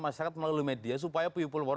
masyarakat melalui media supaya people